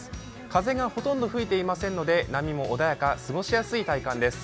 風がほとんど吹いていませんので波も穏やか、過ごしやすい体感です。